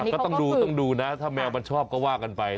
ก็ต้องดูต้องดูนะถ้าแมวมันชอบก็ว่ากันไป